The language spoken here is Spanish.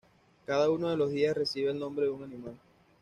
Cada uno de los días recibe el nombre de un animal.